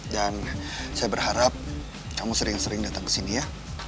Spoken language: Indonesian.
dan saya berharap kamu sering sering dateng kesini ya